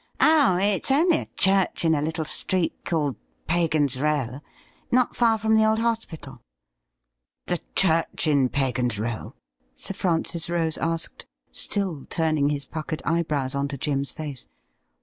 'Oh, it's only a church in a little street call Pagan's Row, not far from the old Hospital.' ' The church in Pagan's Row .?' Sir Francis Rose asked, still turning his puckered eyebrows on to Jim's face.